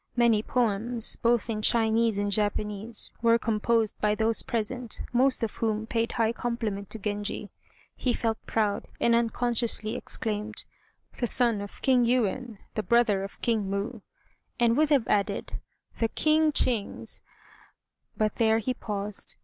Many poems, both in Chinese and Japanese, were composed by those present, most of whom paid high compliment to Genji. He felt proud, and unconsciously exclaimed, "The son of King Yuen, the brother of King Mu;" and would have added, "the King Ching's " but there he paused.